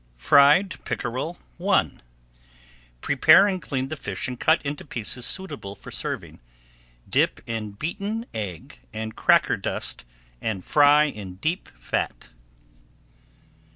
FRIED PICKEREL I Prepare and clean the fish and cut into pieces suitable for serving. Dip in beaten egg and cracker dust and fry in deep fat.